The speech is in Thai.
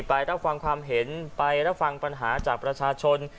ไปแล้วฟังความเห็นไปแล้วฟังปัญหาจากประชาชน